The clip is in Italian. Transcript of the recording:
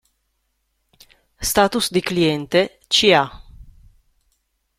Status di cliente: ca.